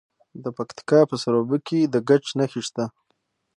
د پکتیکا په سروبي کې د ګچ نښې شته.